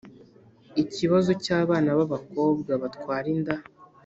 Ikibazo cy abana b abakobwa batwara inda